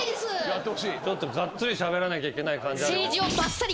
ちょっとがっつりしゃべらなきゃいけない。